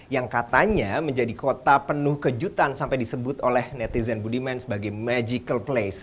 yang katanya menjadi kota penuh kejutan sampai disebut oleh netizen budiman sebagai magical place